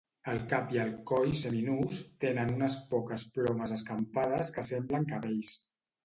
El cap i el coll seminus tenen unes poques plomes escampades que semblem cabells.